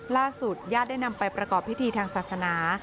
ญาติได้นำไปประกอบพิธีทางศาสนา